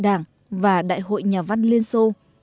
đảng và đại hội nhà văn liên xô